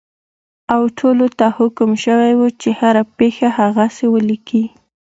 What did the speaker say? او ټولو ته حکم شوی وو چې هره پېښه هغسې ولیکي.